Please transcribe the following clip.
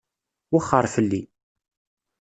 Wexxeṛ fell-i.